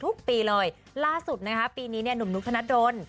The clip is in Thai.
ทุกปีเลยล่าสุดนะคะปีนี้เนี่ยหนุ่มนุกธนดล